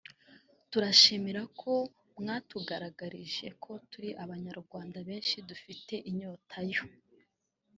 turabashimira ko mwatugaragarije ko turi Abanyarwanda benshi dufite inyota yo